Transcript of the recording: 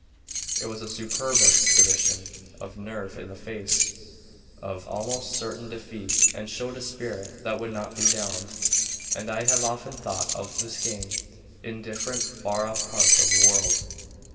It was a superb exhibition of nerve in the face of almost certain defeat and showed a spirit that would not be downed, and I have often thought of this game in different far off parts of the world.